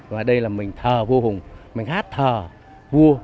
và đây là mình thờ vô hùng mình hát thờ vua